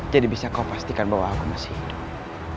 jadi bisa kau pastikan bahwa aku masih hidup